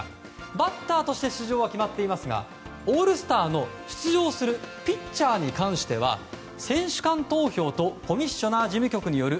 バッターとして出場は決まっていますがオールスターに出場するピッチャーに関しては選手間投票とコミッショナー事務局による